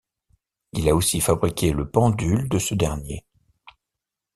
Il a aussi fabriqué le pendule de ce dernier.